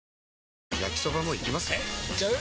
えいっちゃう？